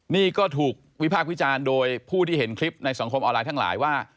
นี่ก็ถูกวิพากษ์วิจารณ์โดยผู้ที่เห็นคลิปในสังคมออนไลน์ทั้งหลายว่า